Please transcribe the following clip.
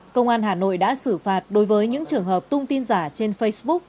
công an hà nội đã xử phạt đối với những trường hợp tung tin giả trên facebook